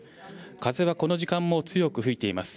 風はこの時間も強く吹いています。